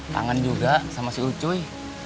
tangan juga sama si ucuy